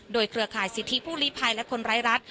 โดยเครือข่ายสิทธิผู้ลิภัยและคนไร้รัฐ